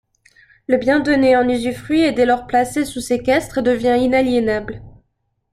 Le bien donné en usufruit est dès lors placé sous séquestre et devient inaliénable.